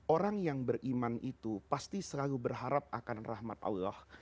orang yang beriman itu pasti selalu berharap akan rahmat allah